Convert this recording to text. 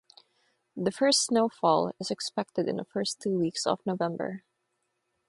The first snow fall is expected in the first two weeks of November.